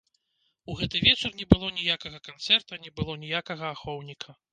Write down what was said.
У гэты вечар не было ніякага канцэрта, не было ніякага ахоўніка.